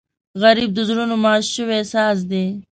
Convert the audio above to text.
غریب د زړونو مات شوی ساز دی